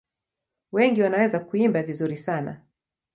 Wengi wanaweza kuimba vizuri sana.